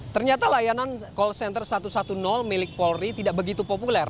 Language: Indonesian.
ternyata layanan call center satu ratus sepuluh milik polri tidak begitu populer